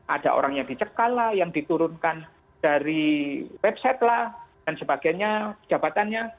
ada orang yang dicekal lah yang diturunkan dari website lah dan sebagainya jabatannya